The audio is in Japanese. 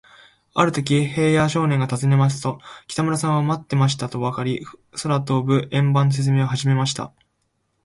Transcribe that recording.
あるとき、平野少年がたずねますと、北村さんは、まってましたとばかり、空とぶ円盤のせつめいをはじめました。